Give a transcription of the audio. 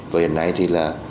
và hiện nay thì là